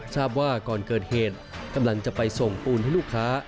ทราบว่าก่อนเกิดเหตุกำลังจะไปส่งปูนให้ลูกค้า